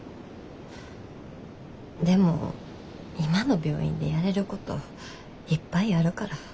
でも今の病院でやれることいっぱいあるから。